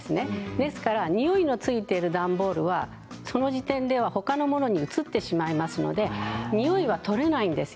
ですからにおいがついている段ボールはその時点でほかのものに移ってしまいますのでにおいは取れないんです。